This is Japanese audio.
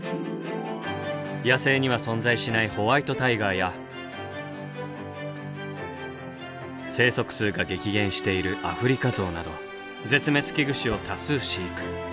野生には存在しないホワイトタイガーや生息数が激減しているアフリカゾウなど絶滅危惧種を多数飼育。